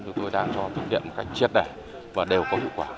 chúng tôi đã cho thực hiện một cách triệt đẻ và đều có hiệu quả